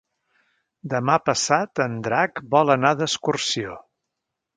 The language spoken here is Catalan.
Demà passat en Drac vol anar d'excursió.